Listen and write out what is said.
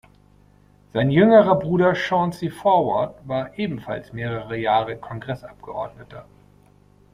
Sein jüngerer Bruder Chauncey Forward war ebenfalls mehrere Jahre Kongressabgeordneter.